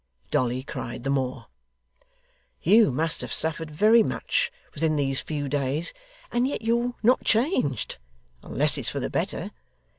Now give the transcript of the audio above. Dolly cried the more. 'You must have suffered very much within these few days and yet you're not changed, unless it's for the better.